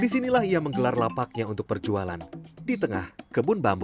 disinilah ia menggelar lapaknya untuk perjualan di tengah kebun bambu